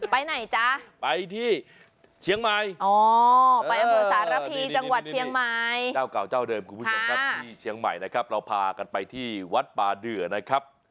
ไปไหนจ๊ะไปที่เชียงใหม่อ๋อไปอำเภอสารพีจังหวัดเชียงใหม่เจ้าเก่าเจ้าเดิมคุณผู้ชมครับที่เชียงใหม่นะครับเราพากันไปที่วัดป่าเดือนะครับ